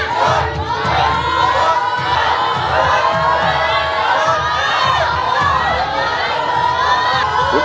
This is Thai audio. สู้ค่ะ